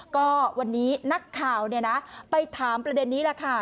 ก็วันนี้นักข่าวไปถามประเด็นนี้แหละค่ะ